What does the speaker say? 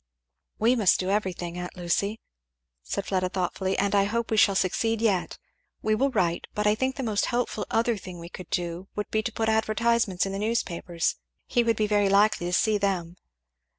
"We must do everything, aunt Lucy," said Fleda thoughtfully, "and I hope we shall succeed yet. We will write, but I think the most hopeful other thing we could do would be to put advertisements in the newspapers he would be very likely to see them."